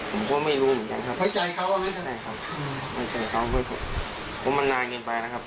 ผมก็ไม่รู้เหมือนกันครับครับใช่ครับไม่รู้เหมือนกันครับเพราะมันนานเกินไปนะครับ